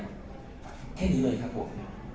แค่นี้เลยครับผม